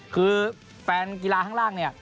คือแฟนกีฬาข้างล่างเนี่ย